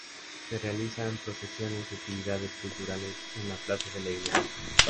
Se realizan procesiones y actividades culturales en la plaza de la Iglesia.